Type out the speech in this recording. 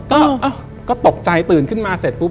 เป็นเสียงรถก็ตกใจตื่นขึ้นมาเสร็จปุ๊บ